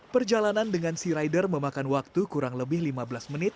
perjalanan dengan sea rider memakan waktu kurang lebih lima belas menit